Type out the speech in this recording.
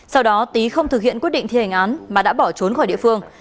sau đó tý không thực hiện quyết định thi hành án mà đã bỏ trốn khỏi địa phương